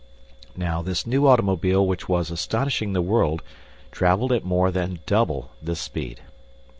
Now, this new automobile which was astonishing the world, traveled at more than double this speed.